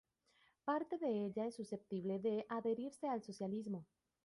Parte de ella es susceptible de adherirse al socialismo.